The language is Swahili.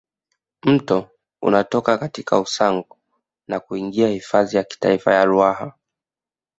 Mto unatoka katika Usangu na kuingia hifadhi ya kitaifa ya Ruaha